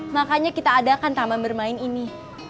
makanya kita adakan taman bermain ini